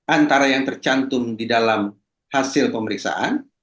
antara yang tercantum di dalam hasil pemeriksaan